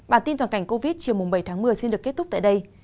bản tin toàn cảnh covid chiều bảy tháng một mươi xin được kết thúc tại đây